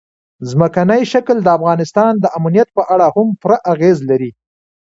ځمکنی شکل د افغانستان د امنیت په اړه هم پوره اغېز لري.